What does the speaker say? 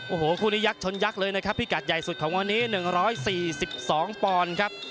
โอ้โหคู่นี้ยักษชนยักษ์เลยนะครับพิกัดใหญ่สุดของวันนี้๑๔๒ปอนด์ครับ